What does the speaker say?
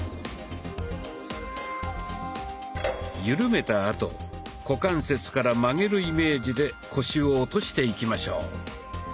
ゆるめたあと股関節から曲げるイメージで腰を落としていきましょう。